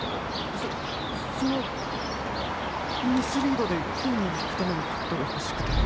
そっそのミスリードできょうみをひくためのカットがほしくて。